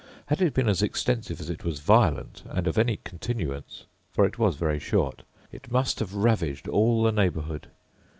Had it been as extensive as it was violent, and of any continuance (for it was very short), it must have ravaged all the neighbourhood.